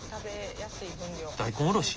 大根おろし？